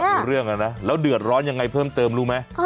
ไม่อยากมีเรื่องแล้วนะแล้วเดือดร้อนยังไงเพิ่มเติมรู้ไหม